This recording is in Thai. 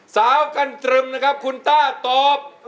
สาวกันตรึมนะครับคุณต้าตอบ